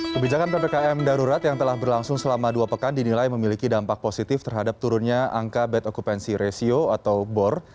kebijakan ppkm darurat yang telah berlangsung selama dua pekan dinilai memiliki dampak positif terhadap turunnya angka bad occupancy ratio atau bor